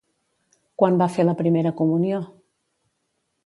Quan va fer la primera comunió?